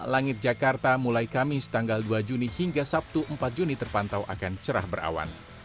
langit jakarta mulai kamis tanggal dua juni hingga sabtu empat juni terpantau akan cerah berawan